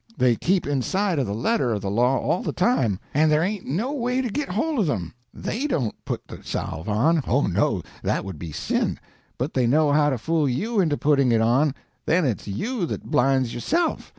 They keep inside of the letter of the law all the time, and there ain't no way to git hold of them. They don't put the salve on—oh, no, that would be sin; but they know how to fool you into putting it on, then it's you that blinds yourself.